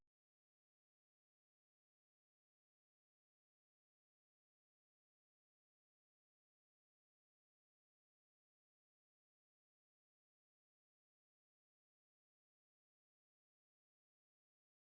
jadi tujuh tahun